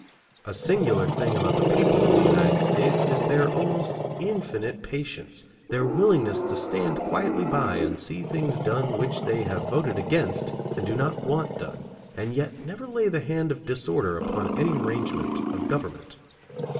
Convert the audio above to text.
A singular thing about the people of the United States is their almost infinite patience, their willingness to stand quietly by and see things done which they have voted against and do not want done, and yet never lay the hand of disorder upon any arrangement of government.